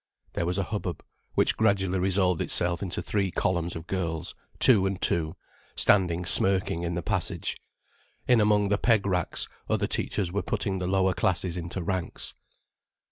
There was a hubbub, which gradually resolved itself into three columns of girls, two and two, standing smirking in the passage. In among the peg racks, other teachers were putting the lower classes into ranks.